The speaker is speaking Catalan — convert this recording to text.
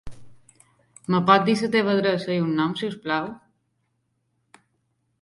Em pots dir la teva adreça i un nom, si us plau?